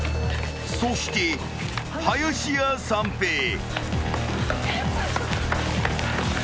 ［そして林家三平］